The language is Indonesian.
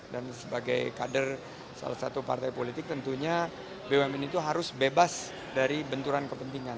dan sebagai kader salah satu partai politik tentunya bumn itu harus bebas dari benturan kepentingan